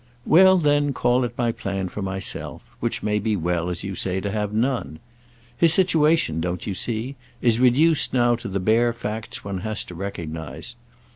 "Well then call it my plan for myself—which may be well, as you say, to have none. His situation, don't you see? is reduced now to the bare facts one has to recognise.